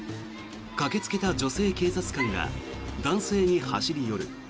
駆けつけた女性警察官が男性に走り寄る。